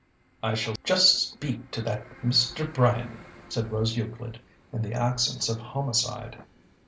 "I shall just speak to that Mr. Bryany!" said Rose Euclid, in the accents of homicide.